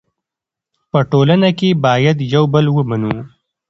په ټولنه کې باید یو بل ومنو.